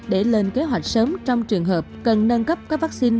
để lên kế hoạch sớm trong trường hợp cần nâng cấp các vaccine